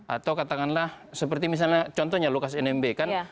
atau katakanlah seperti misalnya contohnya lukas nmb kan